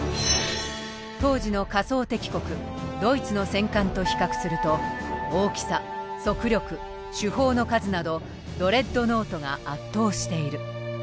当時の仮想敵国ドイツの戦艦と比較すると大きさ速力主砲の数などドレッドノートが圧倒している。